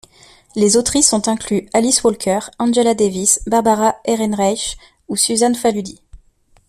Les autrices ont inclus Alice Walker, Angela Davis, Barbara Ehrenreich ou Susan Faludi.